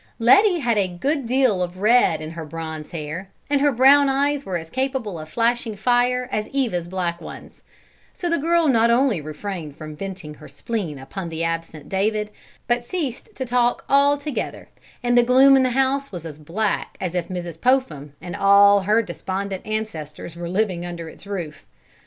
Letty had a good deal of red in her bronze hair and her brown eyes were as capable of flashing fire as Eva's black ones; so the girl not only refrained from venting her spleen upon the absent David, but ceased to talk altogether, and the gloom in the house was as black as if Mrs. Popham and all her despondent ancestors were living under its roof.